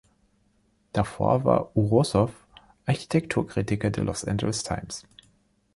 Davor war Ouroussoff Architekturkritiker der „Los Angeles Times“.